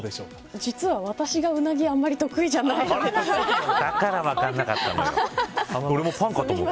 実は私が、うなぎあんまり得意じゃなくて。